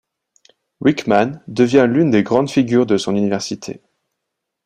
Wickman devient l'une des grandes figures de son université.